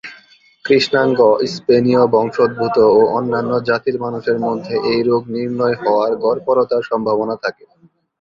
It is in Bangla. কৃষ্ণাঙ্গ, স্পেনীয়-বংশোদ্ভূত ও অন্যান্য জাতির মানুষের মধ্যে এই রোগ নির্ণয় হওয়ার গড়পড়তা সম্ভাবনা থাকে।